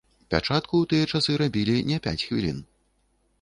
Пячатку ў тыя часы рабілі не пяць хвілін.